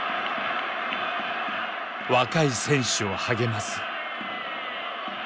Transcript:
若い選手を励ます。